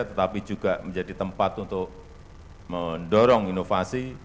tetapi juga menjadi tempat untuk mendorong inovasi